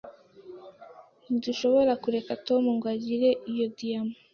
Ntidushobora kureka Tom ngo agire iyo diyama.